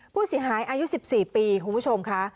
ผู้เสียหายอายุ๑๔ปีคุณผู้ชมค่ะ